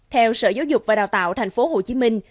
theo sở giáo dục và đào tạo thành phố hồ chí minh